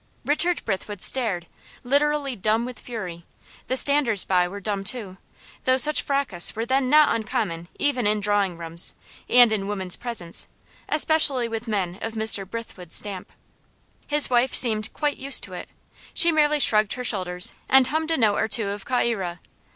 Richard Brithwood stared, literally dumb with fury. The standers by were dumb too, though such fracas were then not uncommon even in drawing rooms, and in women's presence, especially with men of Mr. Brithwood's stamp. His wife seemed quite used to it. She merely shrugged her shoulders and hummed a note or two of "Ca ira."